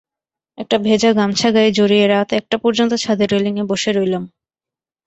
একটা ভেজা গামছা গায়ে জড়িয়ে রাত একটা পর্যন্ত ছাদের রেলিং-এ বসে রইলাম।